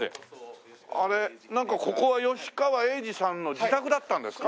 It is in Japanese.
なんかここは吉川英治さんの自宅だったんですか？